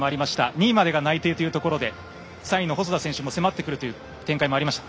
２位までが内定というところで３位の細田選手が迫ってくる展開もありました。